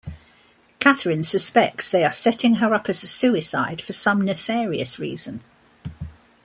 Kathryn suspects they are setting her up as a "suicide" for some nefarious reason.